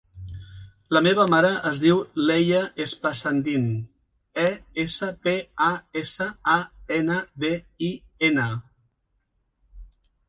La meva mare es diu Leia Espasandin: e, essa, pe, a, essa, a, ena, de, i, ena.